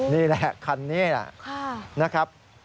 นี่แหละคันนี้แหละนะครับ